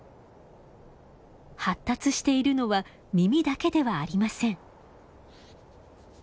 発達しているのは耳だけではありません。